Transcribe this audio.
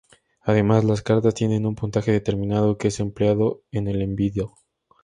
Además, las cartas tienen un puntaje determinado, que es empleado en el "envido".